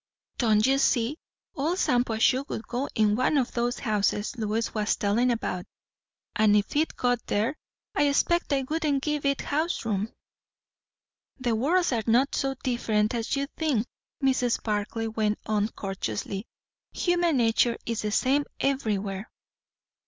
"Don't you see, all Shampuashuh would go in one o' those houses Lois was tellin' about! and if it got there, I expect they wouldn't give it house room." "The worlds are not so different as you think," Mrs. Barclay went on courteously. "Human nature is the same everywhere."